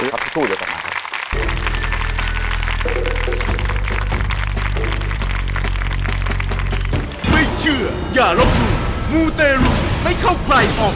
ครับสู้เดี๋ยวต่อมาครับ